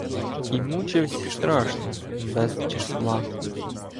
І мучивсь страшно, без числа.